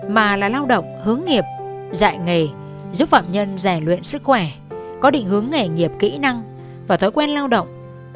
mà là lao động hướng nghiệp dạy nghề giúp phạm nhân rèn luyện sức khỏe có định hướng nghề nghiệp kỹ năng và thói quen lao động